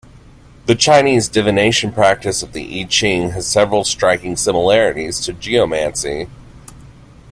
The Chinese divination practice of the I Ching has several striking similarities to geomancy.